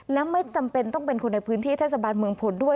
และไม่จำเป็นต้องเป็นคนในพื้นที่เทศบาลเมืองพลด้วย